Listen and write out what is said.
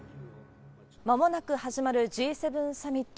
まもなく始まるＧ７サミット。